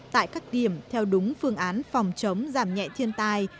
tại các điểm theo đúng phương án phòng chống giảm nhẹ thiên tai